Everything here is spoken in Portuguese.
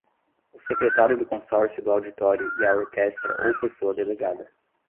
O Secretário do Consórcio do Auditório e a orquestra ou pessoa delegada.